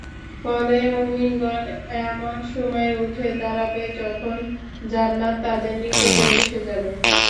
ফলে মুমিনগণ এমন সময়ে উঠে দাঁড়াবে, যখন জান্নাত তাঁদের নিকটে এসে যাবে।